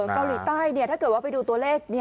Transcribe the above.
เกาหลีใต้ถ้าเกิดว่าไปดูตัวเลข